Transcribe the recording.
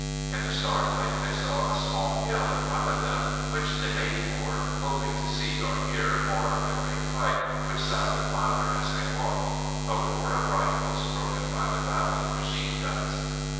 In the starlight they saw a small hill in front of them, which they made for, hoping to see or hear more of the great fight which sounded louder as they walked a roar of rifles broken by the rattle of machine guns.